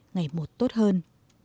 ngày một tốt hơn